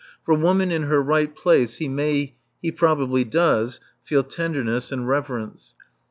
For Woman in her right place he may, he probably does, feel tenderness and reverence.